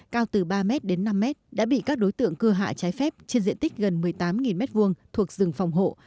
cao từ ba m đến năm mét đã bị các đối tượng cưa hạ trái phép trên diện tích gần một mươi tám m hai thuộc rừng phòng hộ